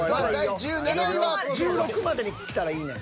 １６までにきたらいいねん。